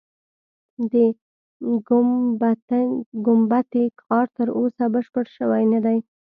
د ګومبتې کار تر اوسه بشپړ شوی نه دی.